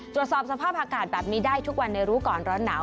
ตรวจสอบสภาพอากาศแบบนี้ได้ทุกวันในรู้ก่อนร้อนหนาว